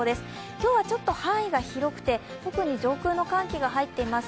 今日はちょっと範囲が広くて特に上空の寒気が入っています